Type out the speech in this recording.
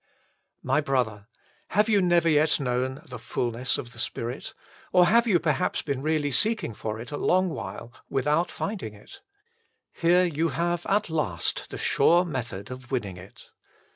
My brother, have you never yet known the fulness of the Spirit, or have you perhaps been really seeking it for a long while without finding it ? Here you have at last the sure method of winning it.